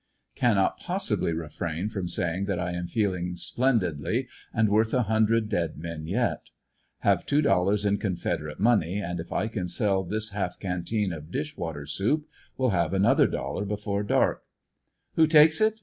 Cannot possibly refrain from say ing that I am feeling splendidly and worth a hundred dead men yet. Have two dollars in Confederate money and if I can sell this half canteen of dish water soup shall have another dollar before dark, ''Who takes it?